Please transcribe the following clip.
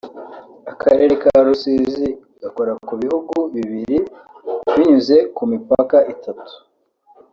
Akarere ka Rusizi gakora ku bihugu bibiri binyuze ku mipaka itatu